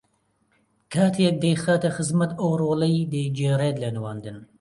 کاتێک دەیخاتە خزمەت ئەو ڕۆڵەی دەیگێڕێت لە نواندن